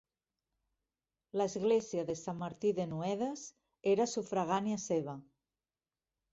L'església de Sant Martí de Noedes era sufragània seva.